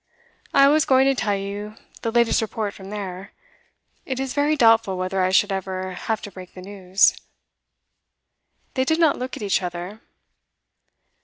I was going to tell you the latest report from there. It is very doubtful whether I should ever have to break the news.' They did not look at each other.